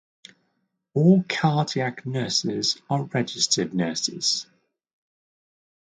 All cardiac nurses are registered nurses.